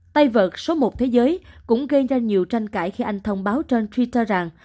tay vợt số một thế giới cũng gây ra nhiều tranh cãi khi anh thông báo trên twiter rằng